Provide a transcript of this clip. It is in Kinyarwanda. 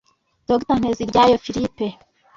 Dr Nteziryayo Philippe